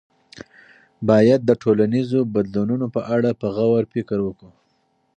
باید د ټولنیزو بدلونونو په اړه په غور فکر وکړو.